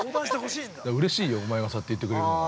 だから、うれしいよおまえがそうやって言ってくれるのは。